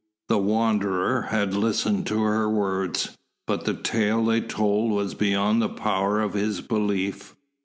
The Wanderer had listened to her words, but the tale they told was beyond the power of his belief.